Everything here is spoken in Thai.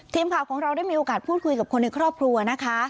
ทีมข่าวของเราได้มีโอกาสพูดคุยกับคนในครอบครัวนะคะ